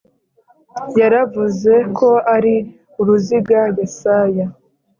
yaravuze ko ari uruziga Yesaya